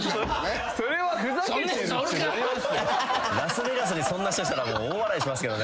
ラスベガスにそんな人来たら大笑いしますけどね。